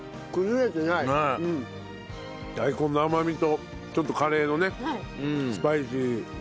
大根の甘みとちょっとカレーのねスパイシー。